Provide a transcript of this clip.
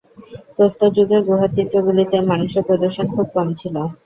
প্রস্তর যুগে গুহা চিত্রগুলিতে মানুষের প্রদর্শন খুব কম ছিল।